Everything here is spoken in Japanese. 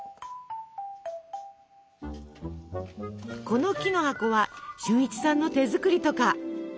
この木の箱は俊一さんの手作りとか。